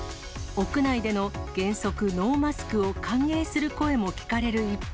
屋内での原則ノーマスクを歓迎する声も聞かれる一方。